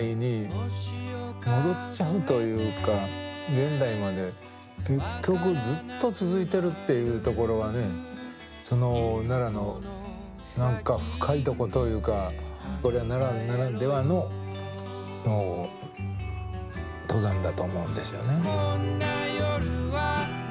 現代まで結局ずっと続いてるっていうところがねその奈良の何か深いとこというかこれは奈良ならではの登山だと思うんですよね。